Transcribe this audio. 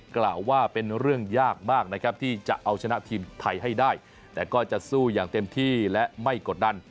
กล่าวว่าเป็นเรื่องยากมากนะครับที่จะเอาชนะทีมไทยให้ได้แต่ก็จะสู้อย่างเต็มที่และไม่กดดัน